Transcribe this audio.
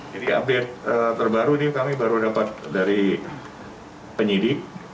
jadi update terbaru ini kami baru dapat dari penyidik